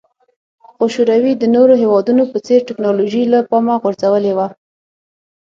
خو شوروي د نورو هېوادونو په څېر ټکنالوژي له پامه غورځولې وه